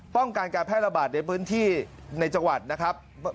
ป้องกันการแพร่ระบาดในพื้นที่ในจังหวัดนะครับ